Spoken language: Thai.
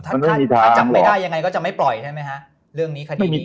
จะจำไม่ได้ยังไงก็จะไม่ปล่อยใช่มั้ย